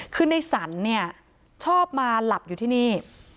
คือในสรรเนี่ยชอบมาหลับอยู่ที่นี่